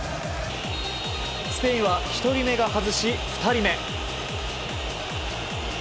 スペインは１人目が外し２人目。